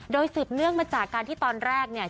โดยสืบเนื่องมาจากการที่ตอนแรกเนี่ย